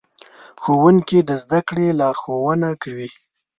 ښوونکي د زدهکړې لارښوونه کوي.